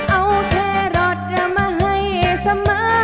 เอาแคโรตมาให้เสมอ